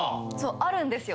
あるんですよ。